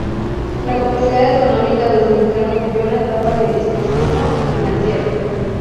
La capacidad económica de los mexicanos vivió una etapa de espejismo financiero.